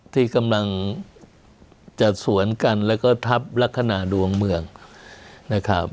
ที่กำลังจะสวนกันแล้วก็ทับลักษณะดวงเมืองนะครับ